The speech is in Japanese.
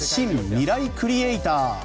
ミライクリエイター」。